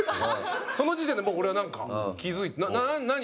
その時点でもう俺はなんか気付いて「何？」。